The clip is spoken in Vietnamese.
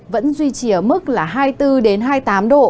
vẫn duy trì ở mức là hai mươi bốn hai mươi tám độ